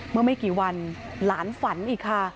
เมื่อไม่กี่วันหลานฝันอีกค่ะ